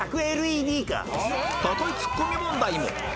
例えツッコミ問題も